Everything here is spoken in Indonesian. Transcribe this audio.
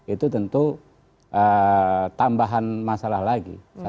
itu tentu tambahan masalah lagi